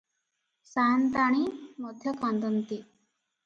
ସାଆନ୍ତାଣୀ ମଧ୍ୟ କାନ୍ଦନ୍ତି ।